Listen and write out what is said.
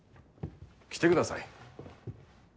来てください。